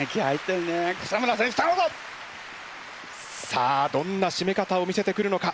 さあどんなしめ方を見せてくるのか？